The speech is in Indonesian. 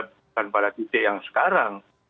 bukan pada titik yang sekarang